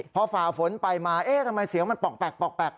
พอฝ่าฝนไปมาเอ๊ะทำไมเสียงมันป่องแปลก